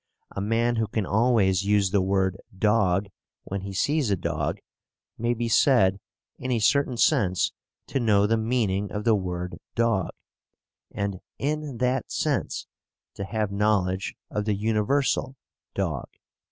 A man who can always use the word "dog" when he sees a dog may be said, in a certain sense, to know the meaning of the word "dog," and IN THAT SENSE to have knowledge of the universal "dog."